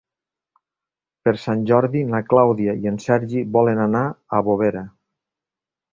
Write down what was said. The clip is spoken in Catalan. Per Sant Jordi na Clàudia i en Sergi volen anar a Bovera.